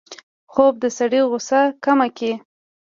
خوب د سړي غوسه کمه کړي